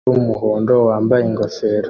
Umugore wumuhondo wambaye ingofero